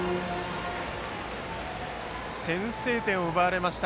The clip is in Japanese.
先制点を奪われました